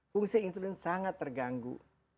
fungsi insulin sangat terganggu